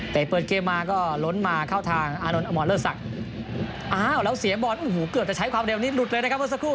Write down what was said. แต่เปิดเกมมาก็ล้นมาเข้าทางอานนท์อมรเลิศศักดิ์อ้าวแล้วเสียบอลโอ้โหเกือบจะใช้ความเร็วนี้หลุดเลยนะครับเมื่อสักครู่